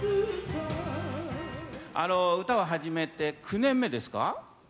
歌を始めて９年目ですか？